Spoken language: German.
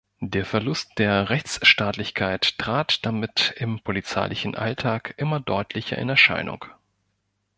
Der Verlust der Rechtsstaatlichkeit trat damit im polizeilichen Alltag immer deutlicher in Erscheinung.